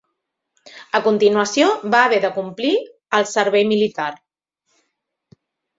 A continuació va haver de complir el servei militar.